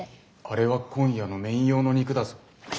あれは今夜のメイン用の肉だぞ。